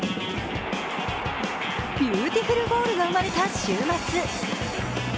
ビューティフルゴールが生まれた週末。